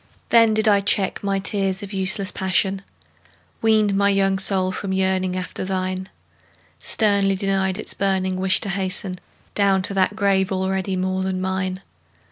Then did I check my tears of useless passion, Weaned my young soul from yearning after thine, Sternly denied its burning wish to hasten Down to that grave already more than mine!